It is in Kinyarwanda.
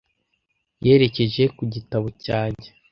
Yerekeje ku gitabo cyanjye.